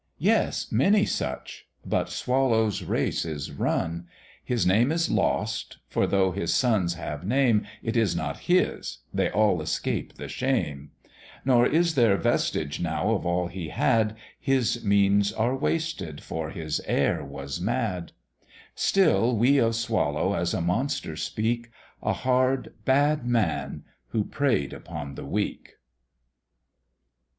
Yes, many such But Swallow's race is run; His name is lost, for though his sons have name, It is not his, they all escape the shame; Nor is there vestige now of all he had, His means are wasted, for his heir was mad: Still we of Swallow as a monster speak, A hard bad man, who prey'd upon the weak.